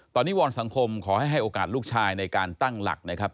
ตอนนี้วอนสังคมขอให้ให้โอกาสลูกชายในการตั้งหลักนะครับ